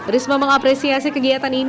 risma mengapresiasi kegiatan